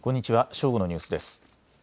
正午のニュースです。